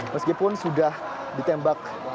meskipun sudah ditembak